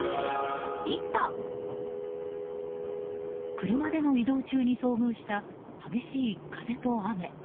車での移動中に遭遇した激しい風と雨。